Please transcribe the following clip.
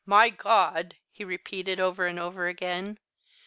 my God!" he repeated, over and over again.